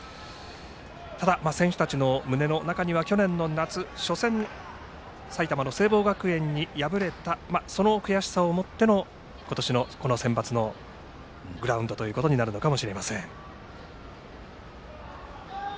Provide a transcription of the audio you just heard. ただ、選手たちの胸の中には去年の夏初戦で、埼玉の聖望学園に敗れたその悔しさを持っての今年のセンバツのグラウンドとなるかもしれません。